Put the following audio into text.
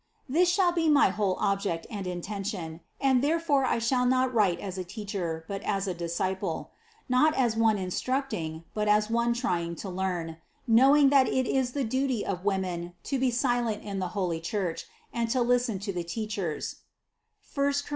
14. This shall be my whole object and intention; and therefore I shall not write as a teacher, but as a disciple ; not as one instructing, but as one trying to learn, know ing that it is the duty of women to be silent in the holy Church, and to listen to the teachers (I Cor.